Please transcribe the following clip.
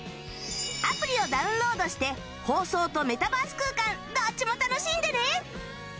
アプリをダウンロードして放送とメタバース空間どっちも楽しんでね！